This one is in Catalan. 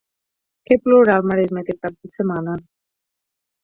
Que plourà al Maresme, aquest cap de setmana?